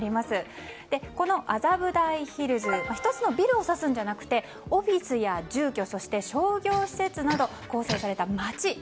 この麻布台ヒルズ１つのビルを指すんじゃなくてオフィスや住居、商業施設などで構成された街で。